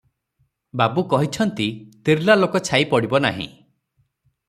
ବାବୁ କହିଛନ୍ତି, ତିର୍ଲା ଲୋକ ଛାଇ ପଡ଼ିବ ନାହିଁ!